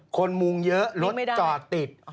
มุงเยอะรถจอดติด